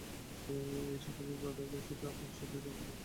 এই সংকোচটুকু না থাকলে সীতা আপন সতী নাম ঘুচিয়ে রাবণকে পুজো করত!